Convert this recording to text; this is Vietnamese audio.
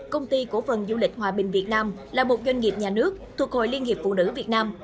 công ty cổ phần du lịch hòa bình việt nam là một doanh nghiệp nhà nước thuộc hội liên hiệp phụ nữ việt nam